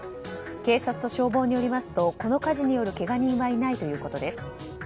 警察と消防によりますとこの火事によるけが人はいないということです。